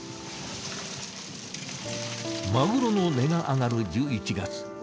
マグロの値が上がる１１月。